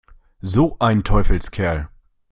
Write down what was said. So ein Teufelskerl!